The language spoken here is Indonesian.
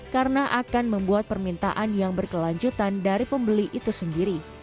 karena akan membuat permintaan yang berkelanjutan dari pembeli itu sendiri